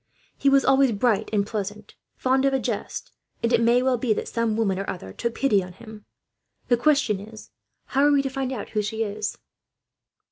He was always bright and pleasant, fond of a jest, and it may well be that some woman or other took pity on him. The question is, how are we to find out who she is?"